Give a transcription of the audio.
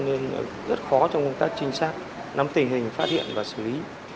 nên rất khó trong công tác trinh sát nắm tình hình phát hiện và xử lý